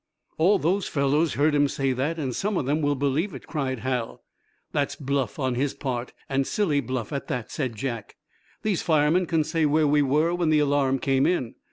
"All those fellows heard him say that, and some of them will believe it!" cried Hal. "That's bluff on his part, and silly bluff, at that," said Jack. "These firemen can say where we were when the alarm came in."